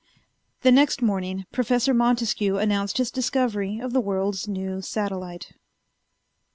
The next morning Professor Montescue announced his discovery of the world's new satellite.